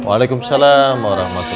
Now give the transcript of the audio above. waalaikumsalam warahmatullahi wabarakatuh